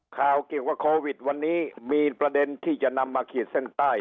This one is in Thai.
ข่าวเกี่ยวกับโควิดวันนี้มีประเด็นที่จะนำมาขีดเส้นใต้